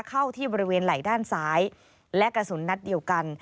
เข้าที่บริเวณไหล่ด้านซ้ายและกระสุนนัดเดียวกัน